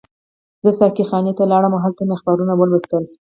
زه ساقي خانې ته لاړم او هلته مې اخبارونه ولوستل.